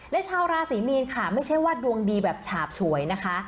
และชาวราศรีมีนค่ะไม่ใช่ว่าดวงดีแบบฉาบฉวยนะคะ